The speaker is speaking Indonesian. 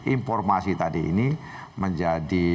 informasi tadi ini menjadi